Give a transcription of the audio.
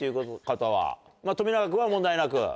冨永君は問題なく。